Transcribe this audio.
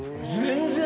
全然。